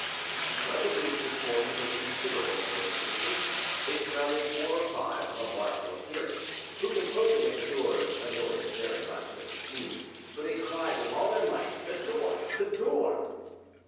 One of the groups was formed of a considerable number of citizens. They surrounded four or five of a martial appearance, whom the closing of the doors annoyed very much, as it seemed, for they cried with all their might, "The door! the door!"